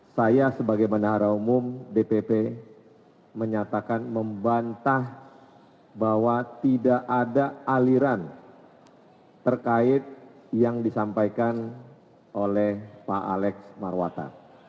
saya sebagai menara umum dpp menyatakan membantah bahwa tidak ada aliran terkait yang disampaikan oleh pak alex marwata